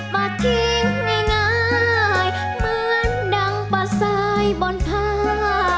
ปะทิ้งง่ายเหมือนดังปะสายบ่อนพา